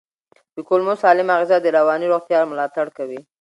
د کولمو سالمه غذا د رواني روغتیا ملاتړ کوي.